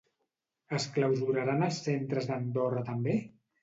Es clausuraran els centres d'Andorra també?